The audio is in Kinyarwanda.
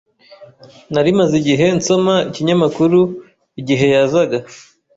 Nari maze igihe nsoma ikinyamakuru igihe yazaga.